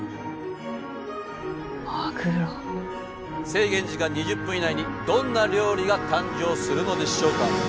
制限時間２０分以内にどんな料理が誕生するのでしょうか？